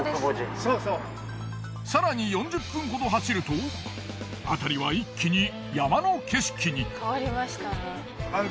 更に４０分ほど走ると辺りは一気に山の景色に。